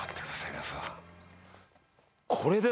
皆さん。